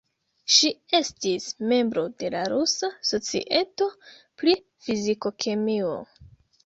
Ŝi estis membro de la Rusa Societo pri Fiziko-kemio.